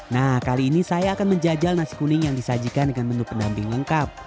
nah kali ini saya akan menjajal nasi kuning yang disajikan dengan bentuk pendamping lengkap